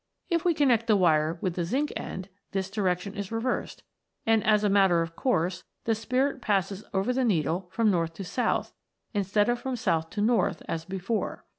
If we connect the wire with the zinc end this direction is reversed, and, as a matter of course, the Spirit passes over the needle from north to south, instead of from south to north as before.